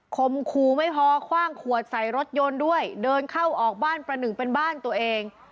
คมคู่ไม่พอคว่างขวดใส่รถยนต์ด้วยเดินเข้าออกบ้านประหนึ่งเป็นบ้านตัวเอง